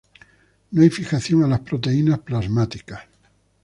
No hay fijación a las proteínas plasmáticas.